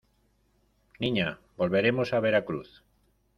niña, volveremos a Veracruz.